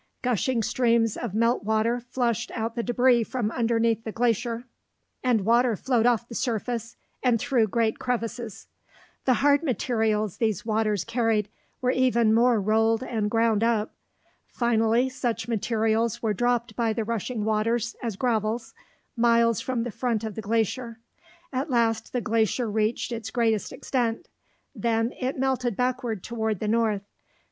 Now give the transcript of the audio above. Gushing streams of melt water flushed out the debris from underneath the glacier, and water flowed off the surface and through great crevasses. The hard materials these waters carried were even more rolled and ground up. Finally, such materials were dropped by the rushing waters as gravels, miles from the front of the glacier. At last the glacier reached its greatest extent; then it melted backward toward the north.